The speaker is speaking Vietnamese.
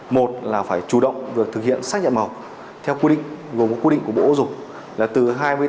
một là phải chủ động thực hiện xác nhận bảo học theo quy định gồm quy định của bộ học viện